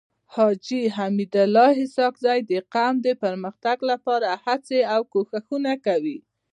حاجي حميدالله اسحق زی د قوم د پرمختګ لپاره هڅي او کوښښونه کوي.